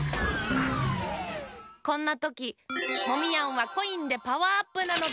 こんなときモミヤンはコインでパワーアップなのだ。